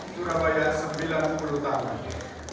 purabaya sembilan puluh tahun